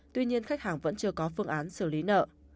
tuy nhiên khách hàng vẫn chưa có phương án xử lý nợ